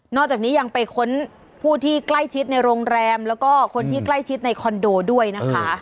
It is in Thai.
จากนี้ยังไปค้นผู้ที่ใกล้ชิดในโรงแรมแล้วก็คนที่ใกล้ชิดในคอนโดด้วยนะคะ